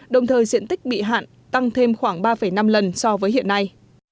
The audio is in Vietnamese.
đồng thời diện tích bị hạn tăng thêm khoảng ba năm lần so với hiện nay